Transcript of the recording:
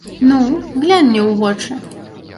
Ну, глянь мне ў вочы.